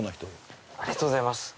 ありがとうございます